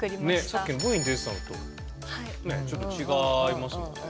さっきＶに出てたのとねえちょっと違いますもんね。